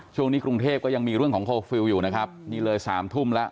กรุงเทพก็ยังมีเรื่องของเคอร์ฟิลล์อยู่นะครับนี่เลยสามทุ่มแล้ว